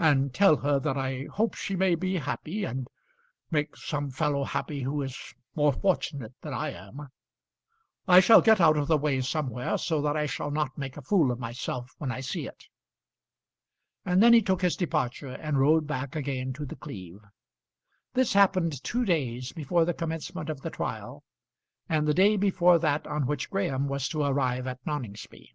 "And tell her that I hope she may be happy, and make some fellow happy who is more fortunate than I am. I shall get out of the way somewhere, so that I shall not make a fool of myself when I see it." And then he took his departure, and rode back again to The Cleeve. This happened two days before the commencement of the trial, and the day before that on which Graham was to arrive at Noningsby.